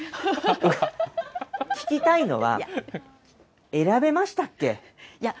聞きたいのは選べましたっけ？